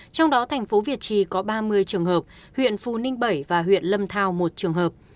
trong đó thành phố việt trì có ba mươi trường hợp huyện phú ninh bảy và huyện lâm thao một trường hợp